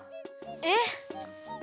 えっ！？